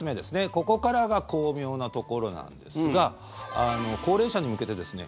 ここからが巧妙なところなんですが高齢者に向けてですね